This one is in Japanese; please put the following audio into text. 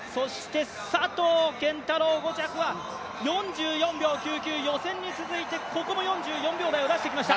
佐藤拳太郎５着は４４秒９９、予選に続いてここも４４秒台を出してきました。